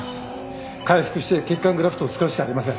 開腹して血管グラフトを使うしかありません。